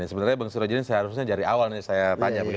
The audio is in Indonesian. sebenernya bang sirajudin seharusnya dari awal nih saya tanya